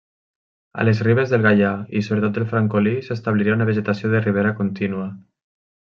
A les ribes del Gaià i sobretot del Francolí s'establiria una vegetació de ribera contínua.